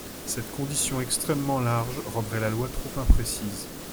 Cette condition extrêmement large rendrait la loi trop imprécise.